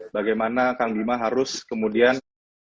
bagaimana kang bima harus kemudian